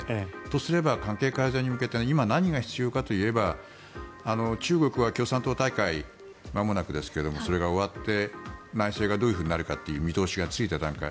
とすれば関係改善に向けて今、何が必要かといえば中国は共産党大会まもなくですがそれが終わって、内政がどういうふうになるかという見通しがついた段階。